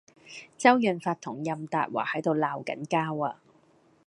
周潤發同任達華喺度鬧緊交呀